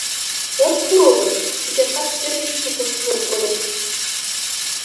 От пуро гын, чечасак тер гыч луктын шуэн кодем.